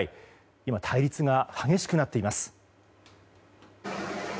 今、対立が激しくなっています。